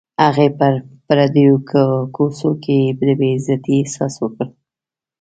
هغې په پردیو کوڅو کې د بې عزتۍ احساس وکړ